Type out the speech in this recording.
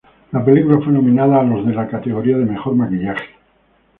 La película fue nominada a los en la categoría de mejor maquillaje.